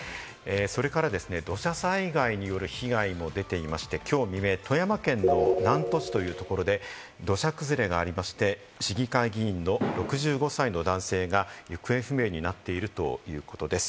それからですね、土砂災害による被害も出ていまして、きょう未明、富山県の南砺市というところで土砂崩れがありまして、市議会議員の６５歳の男性が行方不明になっているということです。